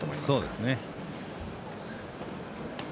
そうですね。